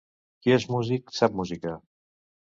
Qui és músic, sap música.